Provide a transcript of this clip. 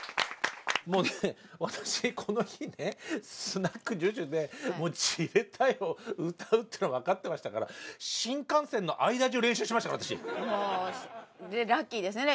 私この日ねスナックＪＵＪＵで「じれったい」を歌うっていうの分かってましたからラッキーですね